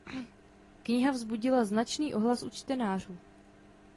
Kniha vzbudila značný ohlas u čtenářů.